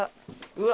うわ！